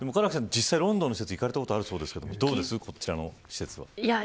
実際ロンドンの施設に行かれたことあるそうですがどうですか、こちらの施設は。